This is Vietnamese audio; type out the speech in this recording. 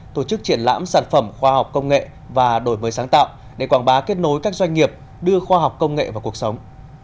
tổ chức triển lãm sản phẩm khoa học công nghệ và đổi mới sáng tạo để quảng bá kết nối các doanh nghiệp đưa khoa học công nghệ vào cuộc sống